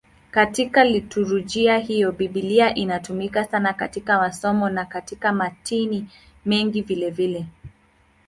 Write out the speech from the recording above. Katika liturujia hiyo Biblia inatumika sana katika masomo na katika matini mengine vilevile.